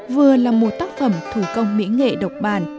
vừa là một tác phẩm thủ công mỹ nghệ độc bản